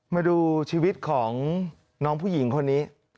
มาดูชีวิตของน้องผู้หญิงคนนี้